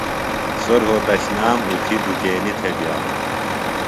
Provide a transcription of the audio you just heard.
سوۡ روھوتشنام اُتھیۡ دُکینیۡ تھےۡ بِیانوۡ۔